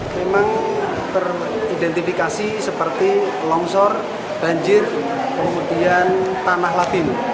memang teridentifikasi seperti longsor banjir kemudian tanah labin